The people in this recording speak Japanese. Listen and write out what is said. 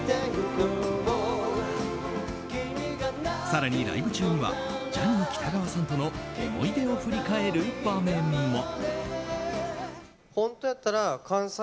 更に、ライブ中にはジャニー喜多川さんとの思い出を振り返る場面も。